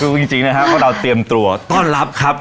แล้วถึงจริงนะคะเราเตรียมตัวต้อนรับครับ